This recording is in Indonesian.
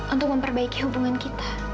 untuk memperbaiki hubungan kita